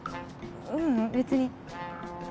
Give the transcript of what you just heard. ううん別に。